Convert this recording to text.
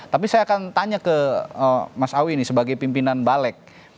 tapi saya akan tanya ke mas awi nih sebagai pimpinan balek